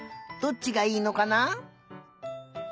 どっちがいいのかな？